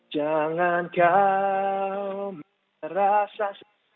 jangan kau merasa